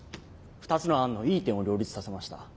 ２つの案のいい点を両立させました。